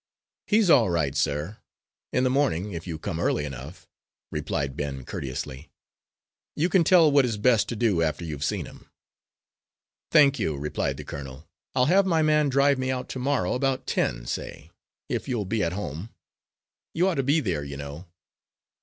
"He's all right, sir, in the morning, if you come early enough," replied Ben, courteously. "You can tell what is best to do after you've seen him." "Thank you," replied the colonel, "I'll have my man drive me out to morrow about ten, say; if you'll be at home? You ought to be there, you know."